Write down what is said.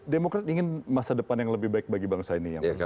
demokrat ingin masa depan yang lebih baik bagi bangsa ini yang bergabung